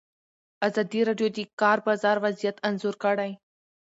ازادي راډیو د د کار بازار وضعیت انځور کړی.